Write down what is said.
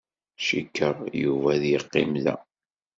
Cikkeɣ Yuba ad yeqqim da.